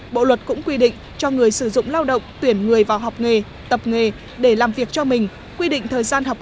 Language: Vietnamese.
bộ luật cũng quy định cho người sử dụng lao động tuyển người vào học nghề tập nghề để làm việc cho mình